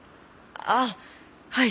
ああはい。